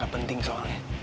gak penting soalnya